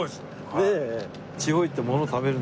ねえ。